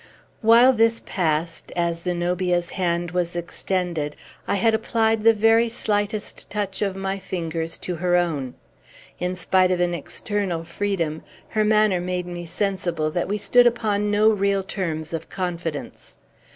While this passed, as Zenobia's hand was extended, I had applied the very slightest touch of my fingers to her own. In spite of an external freedom, her manner made me sensible that we stood upon no real terms of confidence.